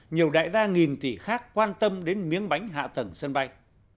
nhiều đại gia nghìn tỷ khác quan tâm đến miếng bánh hạ tầng sân bay